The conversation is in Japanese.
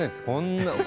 こんな。